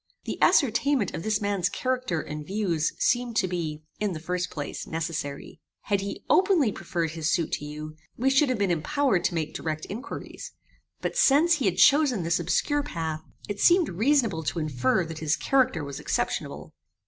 The ascertainment of this man's character and views seemed to be, in the first place, necessary. Had he openly preferred his suit to you, we should have been impowered to make direct inquiries; but since he had chosen this obscure path, it seemed reasonable to infer that his character was exceptionable.